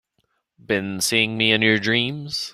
Been seeing me in your dreams?